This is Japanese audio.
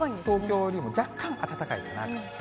東京よりも若干暖かいかな。